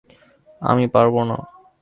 আমি পারবো না।